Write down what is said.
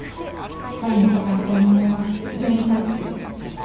詐欺に加担した人間は全員逮捕する。